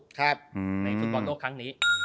ในฟุตบอลโลกครั้งนี้